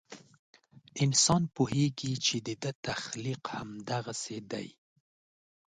انسان پوهېږي چې د ده تخلیق همدغسې دی.